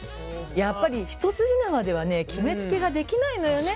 やっぱり一筋縄ではね決めつけができないのよね。